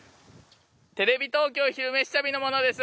テレビ東京「昼めし旅」の者です。